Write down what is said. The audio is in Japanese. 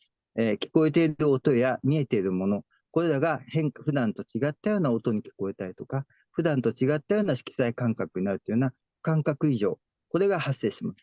聞こえている音や見えているもの、それらがふだんと違ったような音に聞こえたりとか、ふだんと違ったような色彩感覚になるなど、感覚異常、これが発生します。